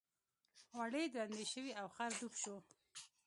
وړۍ درندې شوې او خر ډوب شو.